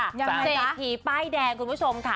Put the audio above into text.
เจฐีป้ายแดงคุณผู้ชมค่ะ